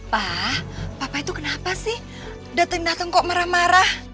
pak papa itu kenapa sih dateng dateng kok marah marah